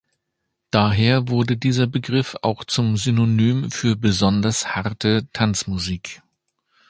Daher wurde dieser Begriff auch zum Synonym für besonders harte Tanzmusik.